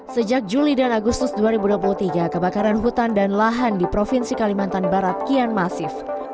sejak juli dan agustus dua ribu dua puluh tiga kebakaran hutan dan lahan di provinsi kalimantan barat kian masif